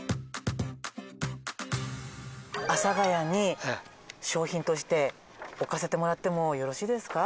阿佐ヶ谷に商品として置かせてもらってもよろしいですか？